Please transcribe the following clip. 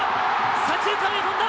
左中間へ飛んだ！